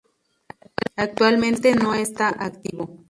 Actualmente no está activo.